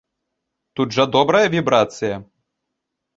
Тут жа добрая вібрацыя!